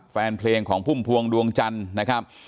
แฟนเพลงของพุ่มพวงดวงจันทร์นะครับ